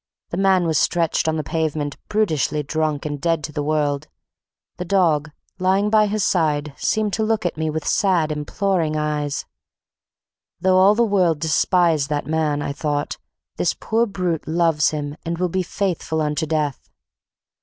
The man was stretched on the pavement brutishly drunk and dead to the world. The dog, lying by his side, seemed to look at me with sad, imploring eyes. Though all the world despise that man, I thought, this poor brute loves him and will be faithful unto death.